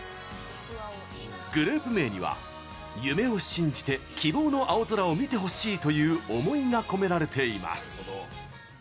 グループ名には「夢を信じて希望の青空を見てほしい」という思いが込められています。